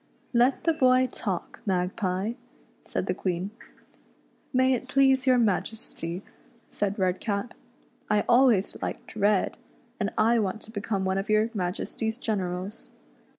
" Let the boy talk, Magpie," said the Queen. " May it please your Majesty," said Redcap, " I always liked red, and I want to become one of your Majesty's generals."